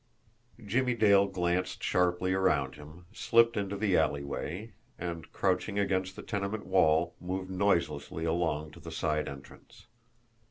Jimmie Dale glanced sharply around him, slipped into the alleyway, and, crouching against the tenement wall, moved noiselessly along to the side entrance.